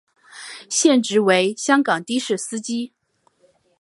现职为香港的士司机。